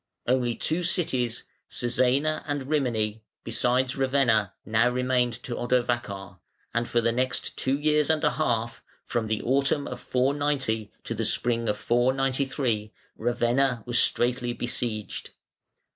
Only two cities, Cæsena and Rimini, beside Ravenna, now remained to Odovacar, and for the next two years and a half (from the autumn of 490 to the spring of 493) Ravenna was straitly besieged.